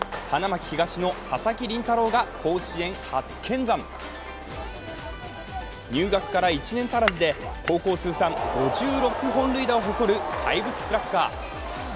花巻東の佐々木麟太郎が甲子園初見参入学から１年足らずで高校通算５６本塁打を誇る怪物スラッガー。